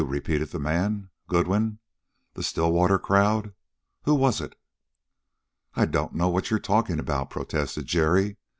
repeated the man. "Goodwin? The Stillwater crowd? Who was it?" "I don't know what you are talking about," protested Jerry.